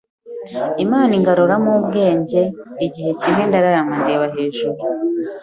Imana ingaruramo ubwenge, igihe kimwe ndararama ndeba hejuru